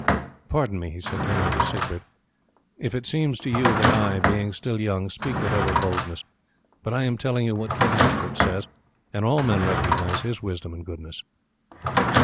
Pardon me," he said, turning to Siegbert, "if it seems to you that I, being still young, speak with over boldness, but I am telling you what King Alfred says, and all men recognize his wisdom and goodness."